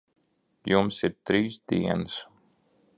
Jums ir trīs dienas.